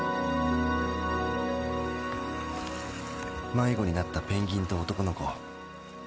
迷子になったペンギンと男の子。